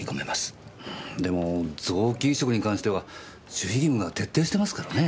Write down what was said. でも臓器移植に関しては守秘義務が徹底してますからね。